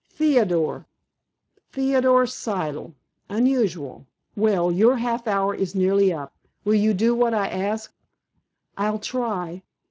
"Theodore." "Theodore Siddle. Unusual. Well, your half hour is nearly up. Will you do what I ask?" "I'll try.